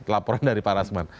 laporan dari pak rasman